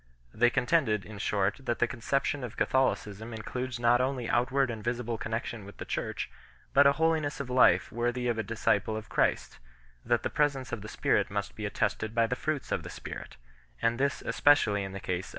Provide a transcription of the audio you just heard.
They contended, in short, that the conception of Catholicism includes not only outward and visible connexion with the Church, but a holiness of life worthy of a disciple of Christ ; that the presence of the Spirit must be attested by the fruits of the Spirit, and this especially in the case of the ministers of the Church.